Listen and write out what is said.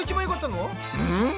うん？